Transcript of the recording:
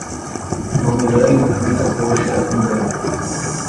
Uma mulher em uma camisa roxa andando.